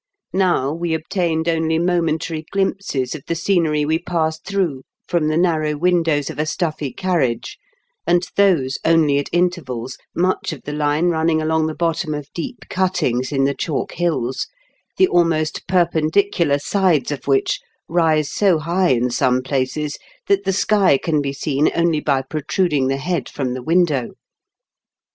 Now we obtained only momentary glimpses of the scenery we passed through from the narrow windows of a stuffy carriage, and those only at intervals, much of the line running along the bottom of deep cuttings in the chalk hills, the almost perpendicular sides of which rise so high in some places that the sky can be seen only by protruding the head from the window.